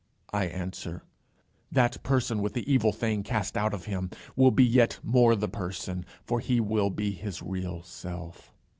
I answer, "That person, with the evil thing cast out of him, will be yet more the person, for he will be his real self.